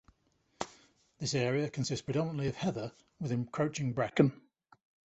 This area consists predominately of heather with encroaching bracken.